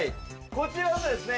こちらですね